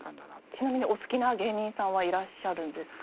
ちなみにお好きな芸人さんはいらっしゃるんですか？